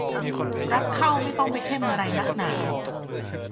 รับเข้าไม่ต้องไปเข้มอะไรนักหนา